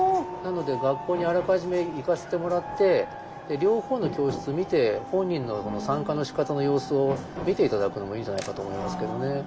なので学校にあらかじめ行かせてもらって両方の教室見て本人の参加のしかたの様子を見て頂くのもいいんじゃないかと思いますけどね。